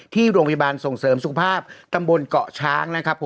ที่โรงพยาบาลส่งเสริมสุขภาพตำบลเกาะช้างนะครับ